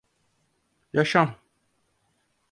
Yaşam…